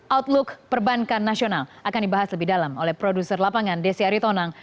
outlook perbankan nasional akan dibahas lebih dalam oleh produser lapangan desi aritonang